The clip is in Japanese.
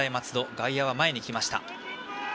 外野は前に来ました。